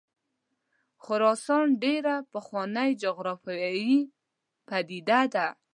خراسان ډېره پخوانۍ جغرافیایي پدیده ده.